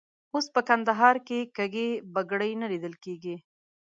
اوس په کندهار کې کږې بګړۍ نه لیدل کېږي.